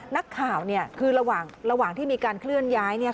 นักข่าวคือระหว่างที่มีการเคลื่อนย้าย